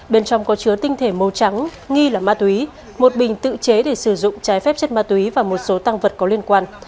bên trong có chứa tinh thể màu trắng nghi là ma túy một bình tự chế để sử dụng trái phép chất ma túy và một số tăng vật có liên quan